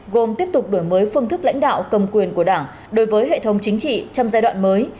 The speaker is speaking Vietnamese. gồm tiếp tục đổi mới phương thức lãnh đạo cầm quyền của đảng đối với hệ thống chính trị trong giai đoạn mới